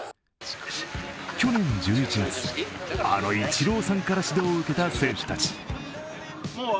去年１１月、あのイチローさんから指導を受けた生徒たち。